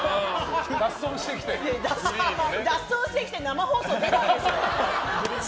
脱走してきて生放送出ないでしょ。